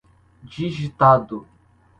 digitado